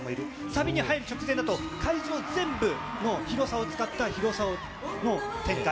サビに入る直前だと、会場全部、もう広さを使った、広さを展開。